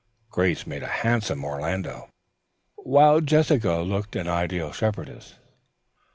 Grace made a handsome Orlando, while Jessica looked an ideal shepherdess.